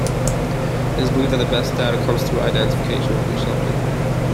It is believed that the best data comes through identification with your subject.